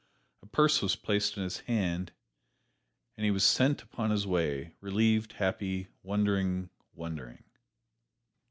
A purse was placed in his hand, and he was sent upon his way relieved, happy wondering, wondering!